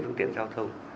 phương tiện giao thông